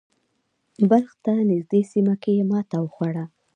بلخ ته نږدې سیمه کې یې ماتې وخوړه.